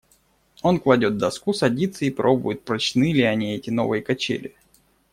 Он кладет доску, садится и пробует, прочны ли они, эти новые качели.